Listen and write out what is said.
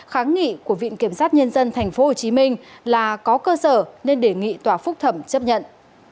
kháng nghị của viện kiểm sát nhân dân tp hcm là có cơ sở nên đề nghị tòa phúc thẩm chấp nhận